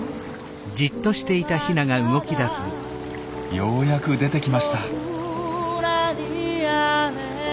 ようやく出てきました。